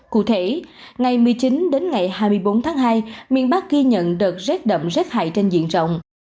cụ thể ngày một mươi chín đến ngày hai mươi bốn tháng hai miền bắc ghi nhận đợt rét đậm rét hại trên diện rộng